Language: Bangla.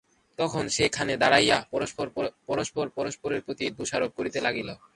তখন সেই খানে দাঁড়াইয়া পরস্পর পরস্পরের প্রতি দোষারোপ করিতে লাগিল।